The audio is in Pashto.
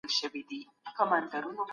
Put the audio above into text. نو ځکه رییس غوښتل ورته انعام ورکړي.